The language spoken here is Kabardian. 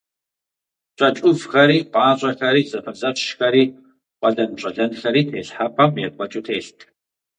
ЩэкӀ Ӏувхэри, пӀащӀэхэри, зэфэзэщхэри, къуэлэнпщӀэлэнхэри телхьэпӀэм екӀуэкӀыу телът.